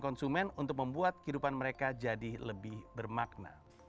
konsumen untuk membuat kehidupan mereka jadi lebih bermakna